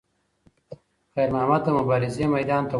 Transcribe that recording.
خیر محمد د مبارزې میدان ته وووت.